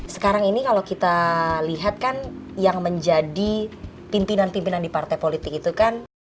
sekarang ini kalau kita lihat kan yang menjadi pimpinan pimpinan di partai politik itu kan